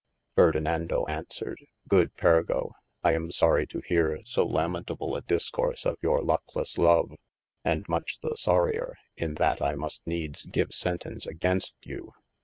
Ferdenando aunswered, good Pergo, I am sory to heare so lamentable a discourse of your luckles love, and much the soryer, in yl I muste needes give sentence agaynst you.